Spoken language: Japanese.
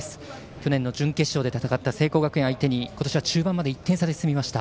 去年の準決勝で戦った聖光学院相手に今年は中盤まで１点差で進みました。